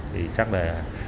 thì chắc là